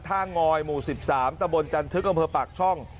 ท่างอยหมู่๑๓ตะบนจันทึกคมปากช่อง